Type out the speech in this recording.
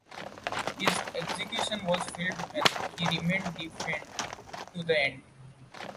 His execution was filmed, and he remained defiant to the end.